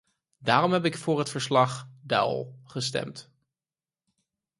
Daarom heb ik voor het verslag-Daul gestemd.